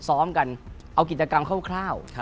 ซ้อมกันเอากิจกรรมคร่าว